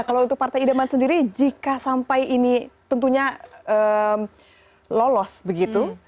kalau untuk partai idaman sendiri jika sampai ini tentunya lolos begitu